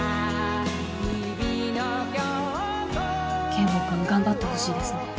圭吾君頑張ってほしいですね。